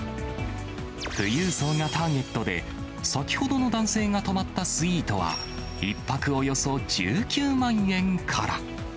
富裕層がターゲットで、先ほどの男性が泊まったスイートは、１泊およそ１９万円から。